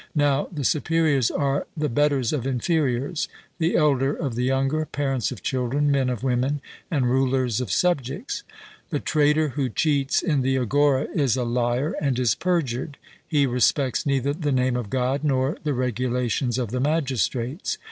(Now the superiors are the betters of inferiors, the elder of the younger, parents of children, men of women, and rulers of subjects.) The trader who cheats in the agora is a liar and is perjured he respects neither the name of God nor the regulations of the magistrates.